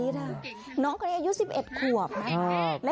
เธอก็ยอมกับไหม